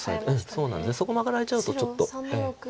そうなんですそこマガられちゃうとちょっと。